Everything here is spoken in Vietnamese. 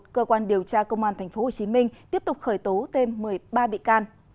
cơ quan điều tra công an tp hcm tiếp tục khởi tố thêm một mươi ba bị can